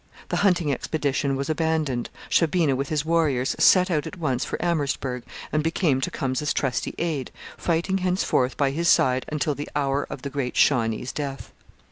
The hunting expedition was abandoned, Shaubena with his warriors set out at once for Amherstburg, and became Tecumseh's trusty aide, fighting henceforth by his side until the hour of the great Shawnee's death.